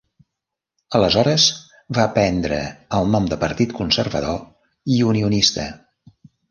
Aleshores va prendre el nom de Partit Conservador i Unionista.